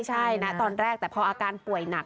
ใช่นะตอนแรกแต่พออาการป่วยหนัก